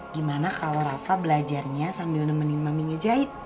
gimana kalau rafa belajarnya sambil nemenin mami ngejahit